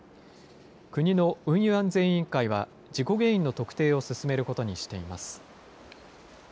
国の運輸安全委員会は、事故原因の特定を進めることにしています。